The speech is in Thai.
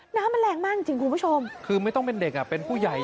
น้ำมันแรงมากจริงคุณผู้ชมคือไม่ต้องเป็นเด็กอ่ะเป็นผู้ใหญ่